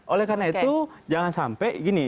oleh karena itu jangan sampai gini